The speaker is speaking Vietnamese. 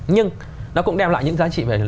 nhưng nó cũng đem lại những giá trị